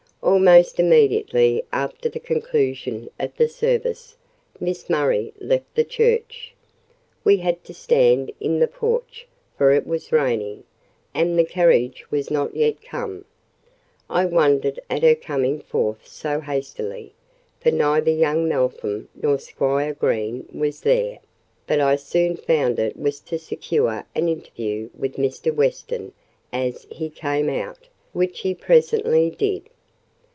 Almost immediately after the conclusion of the service, Miss Murray left the church. We had to stand in the porch, for it was raining, and the carriage was not yet come. I wondered at her coming forth so hastily, for neither young Meltham nor Squire Green was there; but I soon found it was to secure an interview with Mr. Weston as he came out, which he presently did.